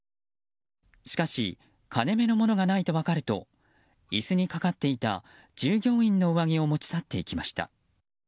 しかし、金目のものがないと分かると従業員の上着を持ち去っていきました。